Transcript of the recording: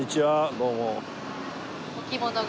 どうも。